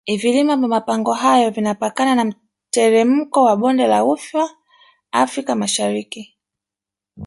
vilima vya mapango hayo vinapakana na mteremko wa bonde la ufa africa mashariki